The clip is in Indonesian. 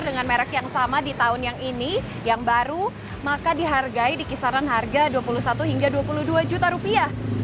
dengan merek yang sama di tahun yang ini yang baru maka dihargai di kisaran harga dua puluh satu hingga dua puluh dua juta rupiah